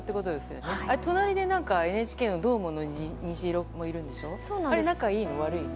隣でＮＨＫのどーもの虹色もいるんでしょ？